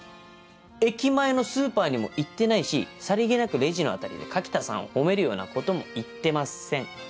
駅前のスーパーにも行ってないしさりげなくレジの辺りで柿田さんを褒めるようなことも言ってません。